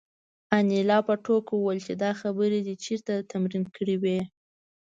انیلا په ټوکه وویل چې دا خبرې دې چېرته تمرین کړې وې